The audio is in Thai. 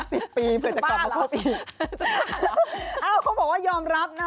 สิบปีเผื่อจะกลับมาคุกอีกจะบ้าหรือเปล่าอ้าวเขาบอกว่ายอมรับนะ